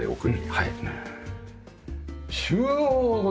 はい。